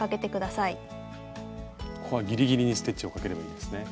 ここはギリギリにステッチをかければいいんですね。